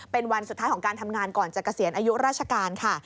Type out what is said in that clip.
เป็นวันสุดท้ายของการทำงานก่อนจะเกษียณอายุราชการค่ะ